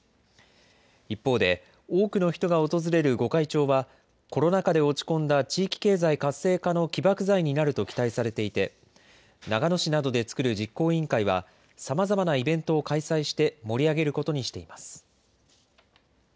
一方で、多くの人が訪れる御開帳は、コロナ禍で落ち込んだ地域経済活性化の起爆剤になると期待されていて、長野市などで作る実行委員会は、さまざまなイベントを開催して盛り上げることにしています。